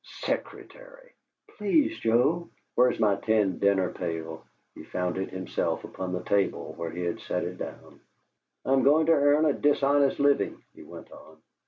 'Secretary'!" "Please, Joe!" "Where's my tin dinner pail?" He found it himself upon the table where he had set it down. "I'm going to earn a dishonest living," he went on.